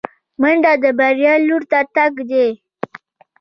منډه د بریا لور ته تګ دی